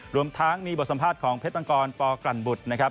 รวมทั้งมีบทสัมภาษณ์ของเพชรมังกรปกลั่นบุตรนะครับ